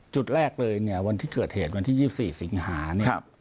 จุดแรกเลยเนี้ยวันที่เกิดเหตุวันที่ยี่สี่สิงหาเนี้ยครับ